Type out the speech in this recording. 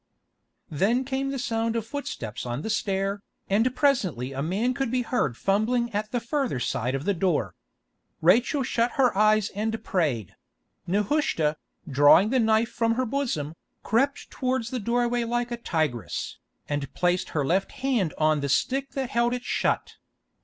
Then came the sound of footsteps on the stair, and presently a man could be heard fumbling at the further side of the door. Rachel shut her eyes and prayed; Nehushta, drawing the knife from her bosom, crept towards the doorway like a tigress, and placed her left hand on the stick that held it shut.